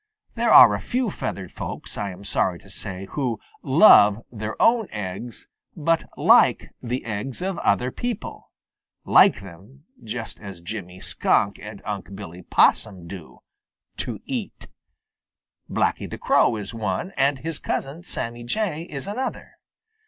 There are a few feathered folks, I am sorry to say, who "love" their own eggs, but "like" the eggs of other people like them just as Jimmy Skunk and Unc' Billy Possum do, to eat. Blacky the Crow is one and his cousin, Sammy Jay, is another.